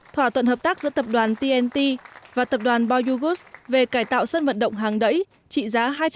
thỏa thuận hợp tác giữa tập đoàn tnt và tập đoàn boyugus về cải tạo sân vận động hàng đẩy trị giá